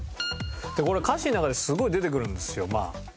これ歌詞の中ですごい出てくるんですよまあね。